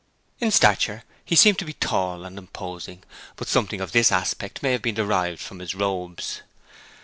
In stature he seemed to be tall and imposing, but something of this aspect may have been derived from his robes.